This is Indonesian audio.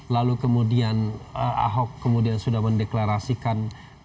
lalu kemudian ahok kemudian sudah mendeklarasikan